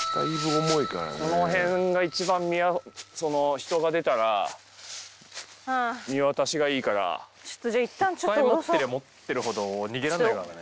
この辺が一番人が出たら見渡しがいいからいっぱい持ってりゃ持ってるほど逃げらんないからね